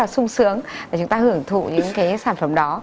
rất là sung sướng để chúng ta hưởng thụ những cái sản phẩm đó